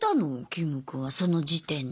キム君はその時点で。